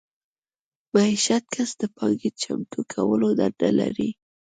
مېشت کس د پانګې چمتو کولو دنده لرله.